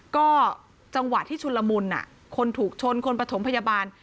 ก็จังหวะที่ชุนละมุนคนถูกชนคนประถมพยาบาล